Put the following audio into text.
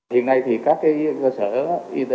hiện nay thì các cái sở y tế